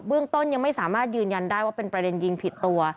เรื่องต้นยังไม่สามารถยืนยันได้ว่าเป็นประเด็นยิงผิดตัว